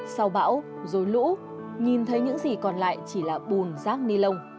sau bão rồi lũ nhìn thấy những gì còn lại chỉ là bùn rác ni lông